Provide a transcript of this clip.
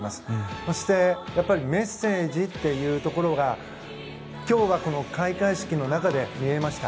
そしてメッセージっていうところが今日はこの開会式の中で見えました。